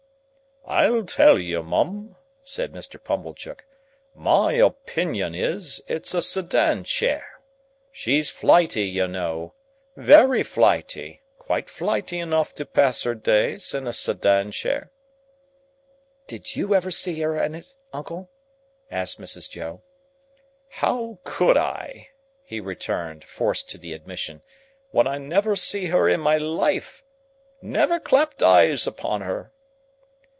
"I'll tell you, Mum," said Mr. Pumblechook. "My opinion is, it's a sedan chair. She's flighty, you know,—very flighty,—quite flighty enough to pass her days in a sedan chair." "Did you ever see her in it, uncle?" asked Mrs. Joe. "How could I," he returned, forced to the admission, "when I never see her in my life? Never clapped eyes upon her!"